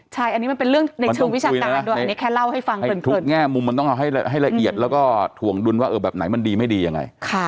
ใช่อันนี้มันเป็นเรื่องในเชิงวิชาการด้วยแค่เล่าให้ฟัง